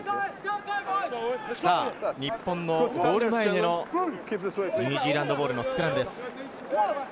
日本のゴール前でのニュージーランドボールのスクラムです。